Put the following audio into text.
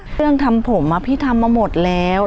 เรื่องทำผมอะพี่ทำมาหมดแล้ว